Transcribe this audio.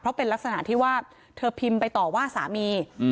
เพราะเป็นลักษณะที่ว่าเธอพิมพ์ไปต่อว่าสามี